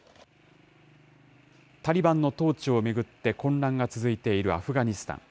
タリバンの統治を巡って混乱が続いているアフガニスタン。